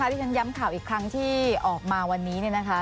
คุณชมคะดิฉันย้ำข่าวอีกครั้งที่ออกมาวันนี้นะคะ